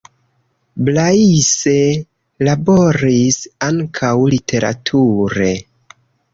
Blaise laboris ankaŭ literature.